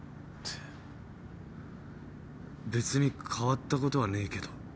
別に変わったことはねえけど。